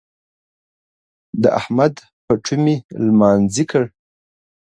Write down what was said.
د احمد پټو مې لمانځي کړ.